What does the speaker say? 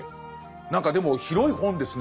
何かでも広い本ですね。